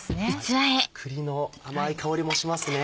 あっ栗の甘い香りもしますね。